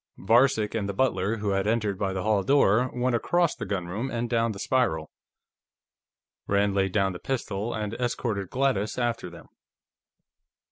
Varcek and the butler, who had entered by the hall door, went across the gunroom and down the spiral. Rand laid down the pistol and escorted Gladys after them.